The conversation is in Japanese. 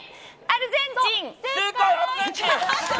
アルゼンチン！